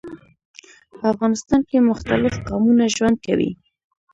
په افغانستان کي مختلیف قومونه ژوند کوي.